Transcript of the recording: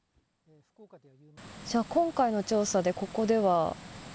今回の調査で、ここでは？